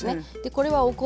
これはお米